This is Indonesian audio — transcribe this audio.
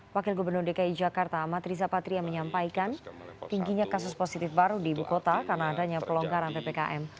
wakil gubernur dki jakarta amat riza patria menyampaikan tingginya kasus positif baru di ibu kota karena adanya pelonggaran ppkm